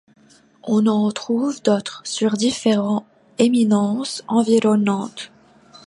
On en trouve d'autres, sur différentes éminences environnantes.